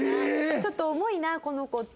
「ちょっと重いなこの子」って。